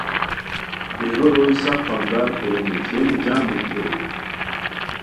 دیہو روئے سف پندار کورونی ژیری جم بیتی بوئے